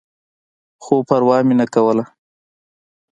خو پروا مې نه کوله.